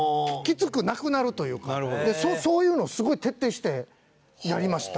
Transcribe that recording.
そういうのをすごい徹底してやりました。